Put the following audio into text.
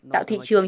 tạo thị trường